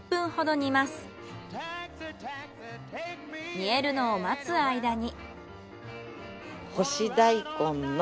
煮えるのを待つ間に。